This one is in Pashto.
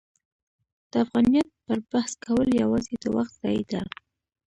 د افغانیت پر بحث کول یوازې د وخت ضایع ده.